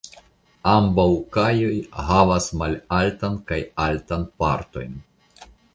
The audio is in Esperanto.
Ambaŭ kajoj havas malaltan kaj altan partojn.